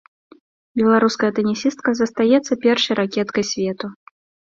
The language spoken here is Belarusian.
Беларуская тэнісістка застаецца першай ракеткай свету.